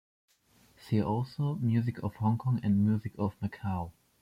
See also: Music of Hong Kong and Music of Macau.